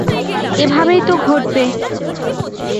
এভাবেই তা ঘটবে।